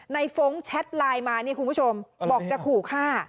ฟ้องแชทไลน์มานี่คุณผู้ชมบอกจะขู่ฆ่า